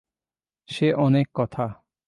সে অনেক কথা।